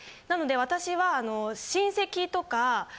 なので私は親戚とか。